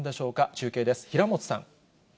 中継です、平本さん。